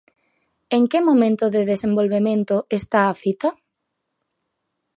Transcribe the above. En que momento de desenvolvemento está a fita?